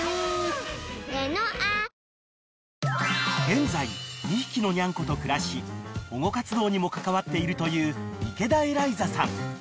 ［現在２匹のニャンコと暮らし保護活動にも関わっているという池田エライザさん］